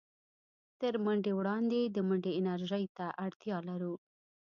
تر منډې وړاندې د منډې انرژۍ ته اړتيا لرو.